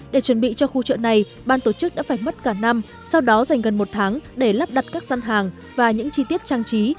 để chuẩn bị cho khu chợ này ban tổ chức đã phải mất cả năm sau đó dành gần một tháng để lắp đặt các dân hàng và những chi tiết trang trí